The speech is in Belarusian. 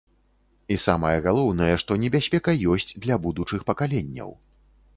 І самае галоўнае, што небяспека ёсць для будучых пакаленняў.